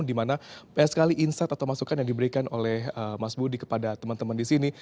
di mana banyak sekali insight atau masukan yang diberikan oleh mas budi kepada teman teman di sini